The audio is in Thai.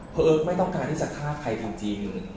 เพราะเอิกไม่ต้องการที่จะฆ่าใครจริง